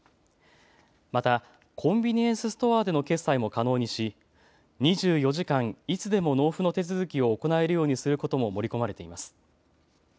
またコンビニエンスストアでの決済も可能にし２４時間いつでも納付の手続きを行えるようにすることも盛り込まれています。